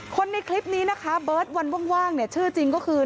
คนในคลิปนี้เบิร์ตวันว่างชื่อจริงก็คือ